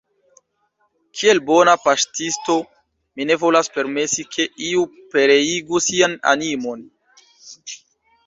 Kiel bona paŝtisto, mi ne volas permesi, ke iu pereigu sian animon.